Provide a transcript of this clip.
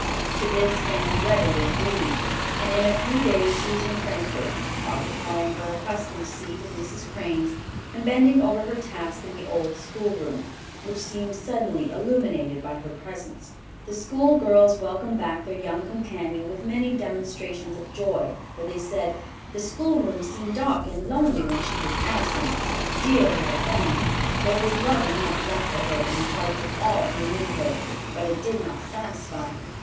To this Fanny readily agreed, and in a few days she was in Frankfort, occupying her accustomed seat at Mrs. Crane's and bending over her task in the old schoolroom, which seemed suddenly illuminated by her presence. The schoolgirls welcomed back their young companion with many demonstrations of joy, for they said, "the schoolroom seemed dark and lonely when she was absent." Dear little Fanny! There was love enough left for her in the hearts of all who knew her, but it did not satisfy.